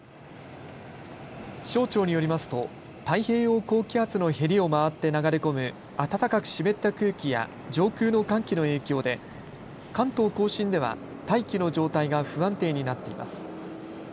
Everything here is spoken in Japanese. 気象庁によりますと太平洋高気圧のへりを回って流れ込む暖かく湿った空気や上空の寒気の影響で関東甲信では大気の状態が不安定になっています。